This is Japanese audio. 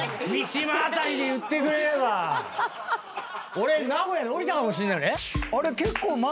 俺名古屋で降りたかもしれない。